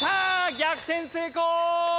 逆転成功！